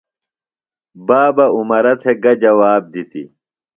بابہ عمرہ تھےۡ گہ جواب دِتیۡ؟